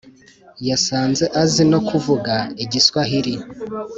yasanze azi no kuvuga igiswahili